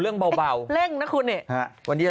เล่งนะคุณให้